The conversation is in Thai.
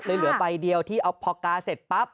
เหลือใบเดียวที่เอาพอกาเสร็จปั๊บ